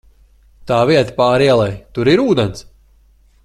Tā vieta pāri ielai, tur ir ūdens?